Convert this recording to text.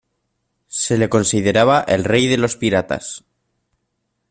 Se le consideraba el rey de los piratas.